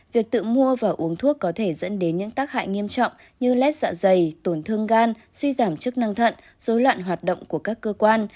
việc tự mua và uống thuốc có thể dẫn đến những tác hại nghiêm trọng như lét dạ dày tổn thương gan suy giảm chức năng thận dối loạn hoạt động của các cơ quan